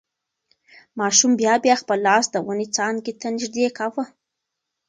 ماشوم بیا بیا خپل لاس د ونې څانګې ته نږدې کاوه.